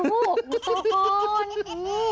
หนูโตก่อน